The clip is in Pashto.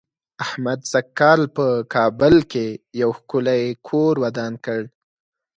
احمد سږ کال په کابل کې یو ښکلی کور ودان کړ.